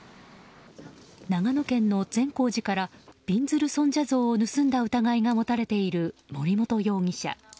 長野県の善光寺からびんずる尊者像を盗んだ疑いが持たれている森本容疑者。